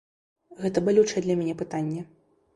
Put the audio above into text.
Гэта балючае для мяне пытанне.